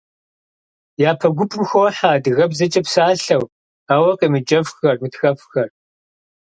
Япэ гупым хохьэ адыгэбзэкӏэ псалъэу, ауэ къемыджэфхэр, мытхэфхэр.